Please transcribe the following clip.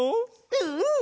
うん！